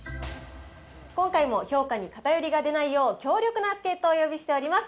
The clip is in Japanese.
今回も、評価に偏りが出ないよう、強力な助っ人をお呼びしております。